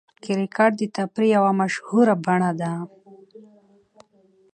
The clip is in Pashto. کرکټ د تفریح یوه مشهوره بڼه ده.